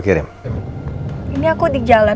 terima kasih sudah nonton